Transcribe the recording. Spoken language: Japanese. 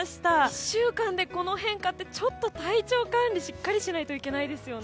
１週間でこの変化って体調管理しっかりしないといけないですよね。